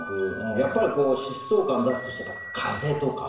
やっぱり疾走感出すとしたら「風」とか？